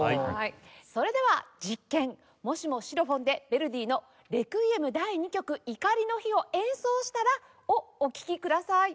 もしもシロフォンでヴェルディの『レクイエム』第２曲「怒りの日」を演奏したら？をお聴きください。